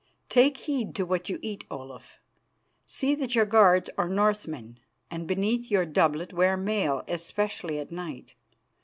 Take heed to what you eat, Olaf. See that your guards are Northmen, and beneath your doublet wear mail, especially at night.